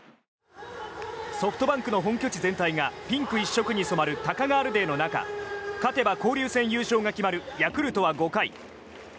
ソフトバンクの本拠地全体がピンク一色に染まるタカガールデーの中勝てば交流戦優勝が決まるヤクルトは５回。